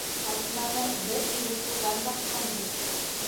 Тартманы бер иле туҙан баҫҡан бит.